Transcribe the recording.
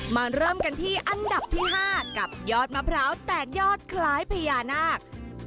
เริ่มกันที่อันดับที่๕กับยอดมะพร้าวแตกยอดคล้ายพญานาค